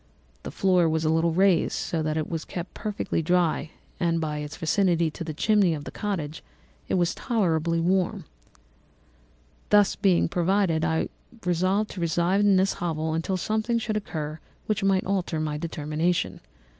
The floor was a little raised, so that it was kept perfectly dry, and by its vicinity to the chimney of the cottage it was tolerably warm. "Being thus provided, I resolved to reside in this hovel until something should occur which might alter my determination.